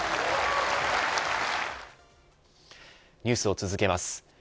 ニュースを続けます。